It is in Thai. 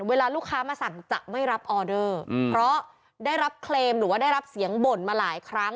เวลาลูกค้ามาสั่งจะไม่รับออเดอร์เพราะได้รับเคลมหรือว่าได้รับเสียงบ่นมาหลายครั้ง